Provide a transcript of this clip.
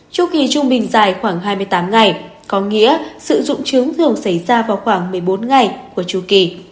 chu kỳ trung bình dài khoảng hai mươi tám ngày có nghĩa sự dụng trướng thường xảy ra vào khoảng một mươi bốn ngày của chu kỳ